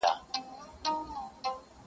• هر زړه پټ درد ساتي تل..